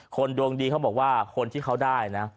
คนดวงดีเขาบอกว่าคนที่เขาได้นะ